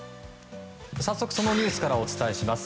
早速そのニュースからお伝えします。